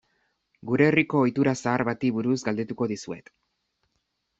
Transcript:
Gure herriko ohitura zahar bati buruz galdetuko dizuet.